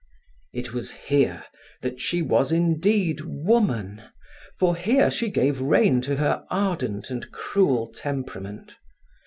It was here that she was indeed Woman, for here she gave rein to her ardent and cruel temperament.